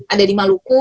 ada di maluku